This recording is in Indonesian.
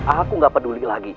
aku gak peduli lagi